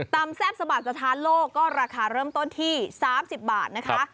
แซ่บสะบัดสถานโลกก็ราคาเริ่มต้นที่๓๐บาทนะคะ